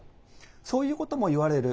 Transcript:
そういうことも言われる。